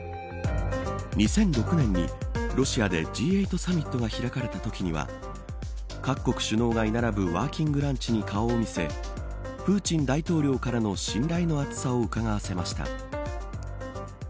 ２００６年にロシアでＧ８サミットが開かれたときには各国首脳が居並ぶワーキングランチに顔を見せプーチン大統領からの信頼の厚さをうかがわせました。